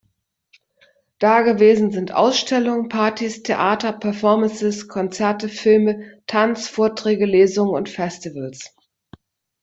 Da gewesen sind Ausstellungen, Partys, Theater, Performances, Konzerte, Filme, Tanz, Vorträge, Lesungen und Festivals.